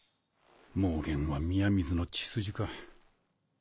妄言は宮水の血筋か。